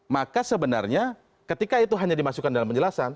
maka sebenarnya ketika itu hanya dimasukkan dalam penjelasan